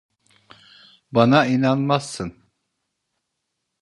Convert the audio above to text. Bana inanmazsın.